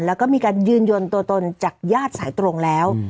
แล้วก็มีการยืนยันตัวตนจากญาติสายตรงแล้ว